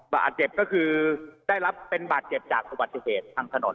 บาดเจ็บก็คือได้รับเป็นบาดเจ็บจากอุบัติเหตุทางถนน